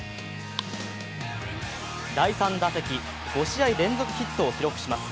第３打席、５試合連続ヒットを記録します。